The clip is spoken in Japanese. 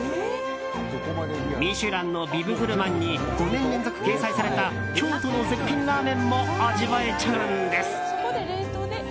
「ミシュラン」のビブグルマンに５年連続掲載された京都の絶品ラーメンも味わえちゃうんです。